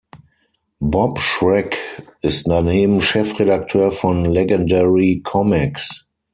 Bob Schreck ist daneben Chefredakteur von Legendary Comics.